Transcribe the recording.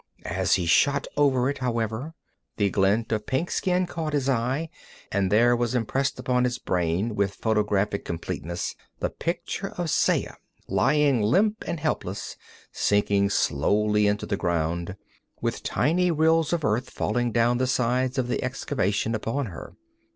As he shot over it, however, the glint of pink skin caught his eye, and there was impressed upon his brain with photographic completeness the picture of Saya, lying limp and helpless, sinking slowly into the ground, with tiny rills of earth falling down the sides of the excavation upon her.